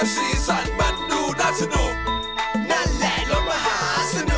สีสันมันดูน่าสนุกนั่นแหละรถมหาสนุก